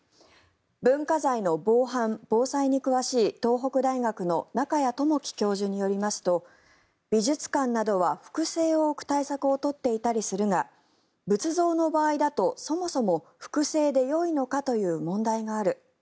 文化財の防犯・防災に詳しい東北大学の中谷友樹教授によりますと美術館などは複製を置く対策を取っていたりするが仏像の場合だとそもそも複製でよいのかという問題がある。